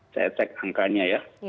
saya cek angkanya ya